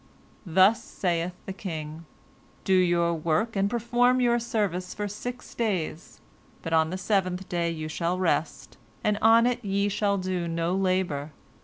Thus saith the king: Do your work and perform your service for six days, but on the seventh day you shall rest; on it ye shall do no labor.